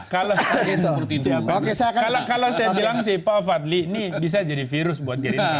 kalau saya bilang sih pak fadli ini bisa jadi virus buat gerindra